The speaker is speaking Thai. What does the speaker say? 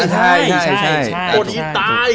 ใช่ใช่ใช่